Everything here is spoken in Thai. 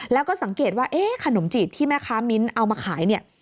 แล้วก็สังเกตว่าขนมจีบที่แม่ค้ามิ้นท์เอามาขาย